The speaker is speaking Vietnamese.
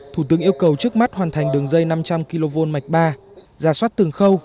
thủ tướng yêu cầu trước mắt hoàn thành đường dây năm trăm linh kv mạch ba ra soát từng khâu